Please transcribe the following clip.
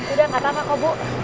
udah gak apa apa kok bu